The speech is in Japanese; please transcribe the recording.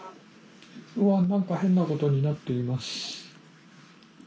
うわ何か変なことになっています。